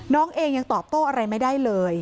น้องเองยังตอบโต้อะไรไม่ได้เลย